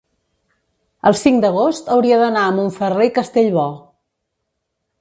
el cinc d'agost hauria d'anar a Montferrer i Castellbò.